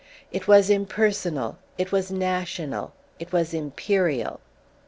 It was impersonal, it was national, it was Imperial.